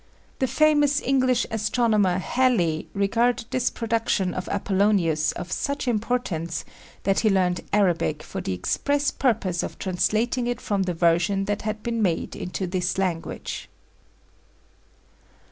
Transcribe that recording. The famous English astronomer, Halley, regarded this production of Apollonius of such importance that he learned Arabic for the express purpose of translating it from the version that had been made into this language.